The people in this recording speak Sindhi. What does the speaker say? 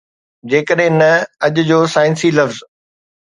جيڪڏهن نه، اڄ جو سائنسي لفظ